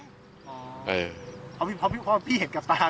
เพราะพี่เห็นกับตาม